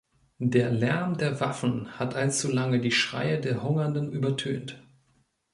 Der Lärm der Waffen hat allzu lange die Schreie der Hungernden übertönt.